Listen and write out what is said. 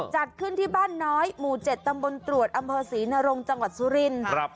จัดขึ้นที่บ้านน้อยหมู่๗ตำบลตรวจอำเภอศรีนรงจังหวัดสุรินทร์